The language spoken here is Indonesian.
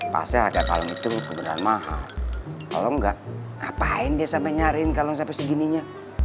pasti harga kalung itu kebeneran mahal kalau enggak ngapain dia sampe nyariin kalung segininya